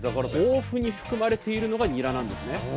豊富に含まれているのがニラなんですね。